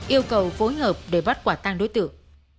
yêu cầu phối hợp để bắt quả tăng đối tượng